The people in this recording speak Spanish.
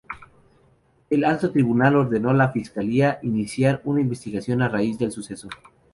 El Alto Tribunal ordenó a la fiscalía iniciar una investigación a raíz del suceso.